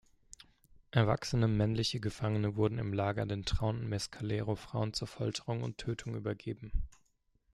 Erwachsene männliche Gefangene wurden im Lager den trauernden Mescalero-Frauen zur Folterung und Tötung übergeben.